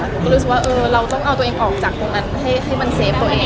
หนูก็รู้สึกว่าเราต้องเอาตัวเองออกจากตรงนั้นให้มันเฟฟตัวเอง